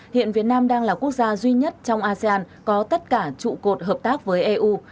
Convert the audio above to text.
hiện việt nam đang là quốc gia duy nhất trong asean có tất cả trụ cột hợp tác với eu